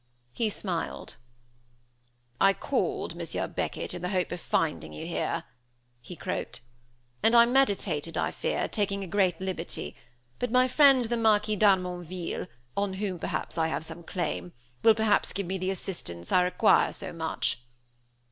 He smiled. "I called, Monsieur Beckett, in the hope of finding you here," he croaked, "and I meditated, I fear, taking a great liberty, but my friend the Marquis d'Harmonville, on whom I have perhaps some claim, will perhaps give me the assistance I require so much."